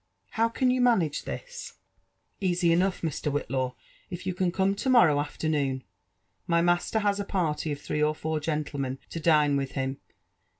How can you manage this?" *' Easy enough, Mr. Whitlaw, if you can come to morrow after noon. My master has a party of three or four gentlemen to dine with him.